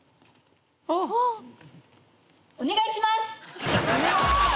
お願いします。